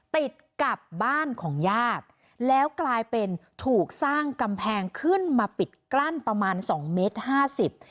ติดกับบ้านของญาติแล้วกลายเป็นถูกสร้างกำแพงขึ้นมาปิดกลั้นประมาณสองเมตรห้าสิบ